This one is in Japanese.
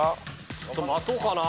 ちょっと待とうかな。